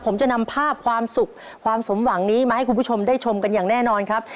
ผมจะนำภาพความสุขความสมหวังนี้มาให้คุณผู้ชมได้ชมกันอย่างแน่นอนครับ